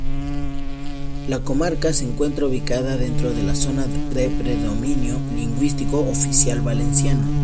La comarca se encuentra ubicada dentro de la zona de predominio lingüístico oficial valenciano.